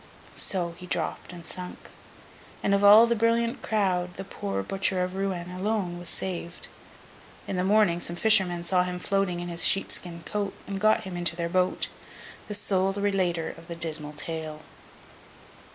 So, he dropped and sunk; and of all the brilliant crowd, the poor Butcher of Rouen alone was saved. In the morning, some fishermen saw him floating in his sheep skin coat, and got him into their boat—the sole relater of the dismal tale.